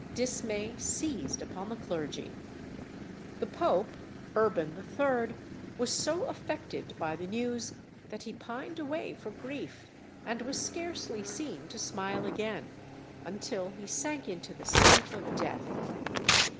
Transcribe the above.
Dismay seized upon the clergy. The Pope (Urban III.) was so affected by the news that he pined away for grief, and was scarcely seen to smile again, until he sank into the sleep of death.